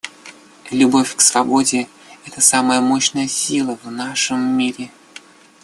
Любовь к свободе — это самая мощная сила в нашем мире.